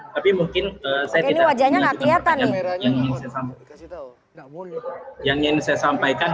tapi mungkin saya tidak mengajukan pertanyaan yang ingin saya sampaikan